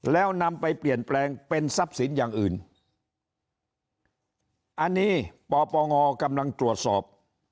แล้วนำไปเปลี่ยนแปลงเป็นทรัพย์สินอย่างอื่นอันนี้ปปงกำลังตรวจสอบ